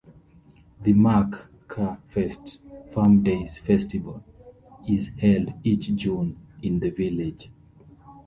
The Mack-Ca-Fest Farm Days Festival is held each June in the village.